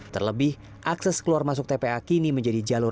terlebih akses keluar masuk tpa kini menjadi jalur